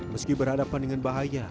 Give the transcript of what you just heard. meski berhadapan dengan bahaya